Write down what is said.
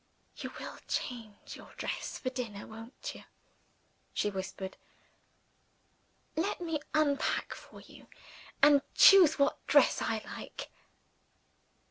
"You will change your dress before dinner won't you?" she whispered. "Let me unpack for you, and choose which dress I like."